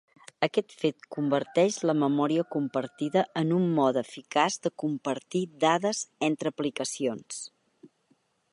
Aquest fet converteix la memòria compartida en un mode eficaç de compartir dades entre aplicacions.